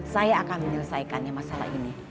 saya akan menyelesaikannya masalah ini